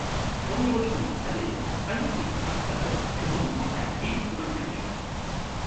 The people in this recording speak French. On y retrouve sa maison, un atelier, un portique monumental et une cour intérieure.